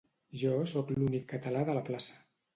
Jo sóc l'únic català de la plaça